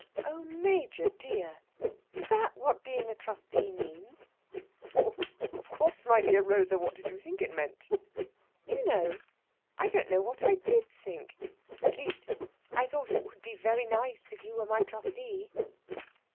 "Oh, Major dear! is that what being a trustee means?" "Of course, my dear Rosa! What did you think it meant?" "Do you know, I don't know what I did think; at least, I thought it would be very nice if you were my trustee."